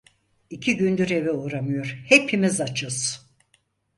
İki gündür eve uğramıyor, hepimiz açız.